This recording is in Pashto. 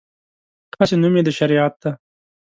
هسې نوم یې د شریعت دی.